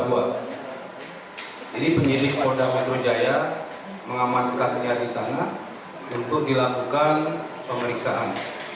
jadi penyelidik kota wadrojaya mengamankannya di sana untuk dilakukan pemeriksaan